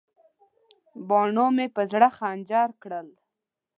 باڼو مې په زړه خنجر کړل.